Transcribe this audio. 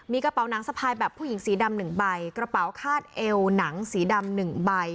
มีกระเป๋าหนังสะพายแบบผู้หญิงสีดำ๑ใบกระเป๋าคาดเอวหนังสีดำ๑ใบ